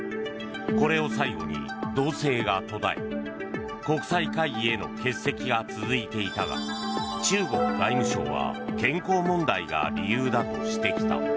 これを最後に動静が途絶え国際会議への欠席が続いていたが中国外務省は健康問題が理由だとしてきた。